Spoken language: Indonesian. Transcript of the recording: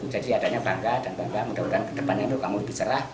jadi adanya bangga dan bangga mudah mudahan ke depannya kamu lebih serah